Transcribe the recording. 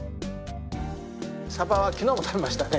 サバは昨日も食べましたね。